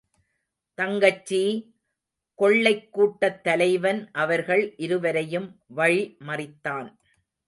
தங்கச்சி! கொள்ளைக் கூட்டத் தலைவன் அவர்கள் இருவரையும் வழி மறித்தான்.